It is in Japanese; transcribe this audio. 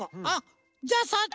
あっじゃあさ